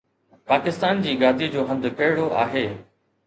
پاڪستان جي گاديءَ جو هنڌ ڪهڙو آهي؟